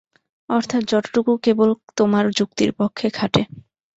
অর্থাৎ যতটুকু কেবল তোমার যুক্তির পক্ষে খাটে।